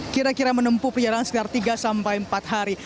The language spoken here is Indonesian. kira kira menempuh perjalanan sekitar tiga sampai empat hari